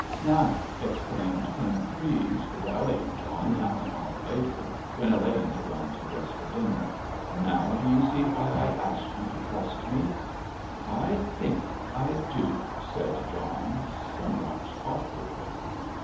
"Now," exclaimed Colonel Treves, rallying John half an hour later, when Elaine had gone to dress for dinner. "Now do you see why I asked you to trust me?" "I think I do," said John, somewhat awkwardly.